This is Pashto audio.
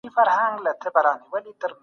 د کار وېش څنګه و؟